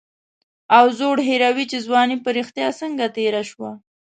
او زوړ هېروي چې ځواني په رښتیا څنګه تېره شوه.